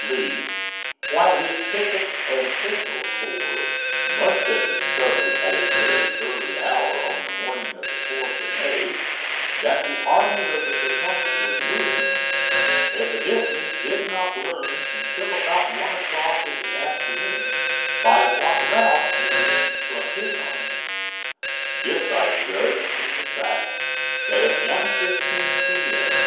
Lee, while his pickets and signal corps must have discovered at a very early hour on the morning of the 4th of May, that the Army of the Potomac was moving, evidently did not learn until about one o'clock in the afternoon by what route we would confront his army. This I judge from the fact that at 1.15 P.M.